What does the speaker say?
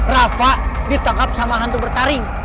rafa ditangkap sama hantu bertaring